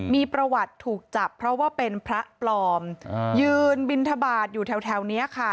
มีประวัติถูกจับเพราะว่าเป็นพระปลอมยืนบินทบาทอยู่แถวนี้ค่ะ